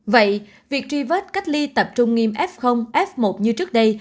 vậy việc truy vết cách ly tập trung nghiêm f f một như trước đây